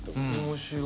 面白い。